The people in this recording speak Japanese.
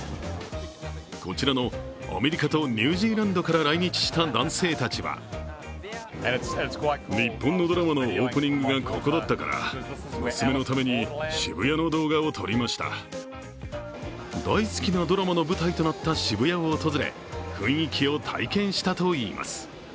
こちらのアメリカとニュージーランドから来日した男性たちは大好きなドラマの舞台となった渋谷を訪れ、雰囲気を体験したといいます。